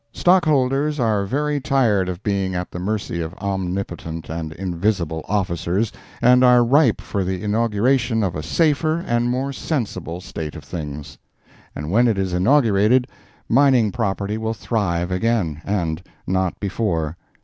Stockholders are very tired of being at the mercy of omnipotent and invisible officers, and are ripe for the inauguration of a safer and more sensible state of things. And when it is inaugurated, mining property will thrive again, and not before.